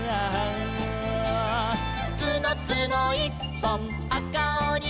「つのつのいっぽんあかおにどん」